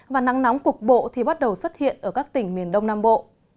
và nắng nóng cục bộ thì bắt đầu xuất hiện ở các tỉnh miền đông nam bộ